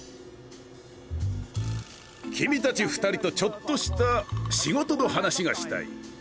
きみたち２人とちょっとしたしごとの話がしたい。